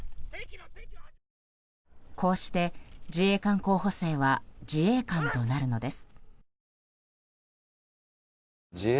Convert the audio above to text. こうして自衛官候補生は自衛官となるのです。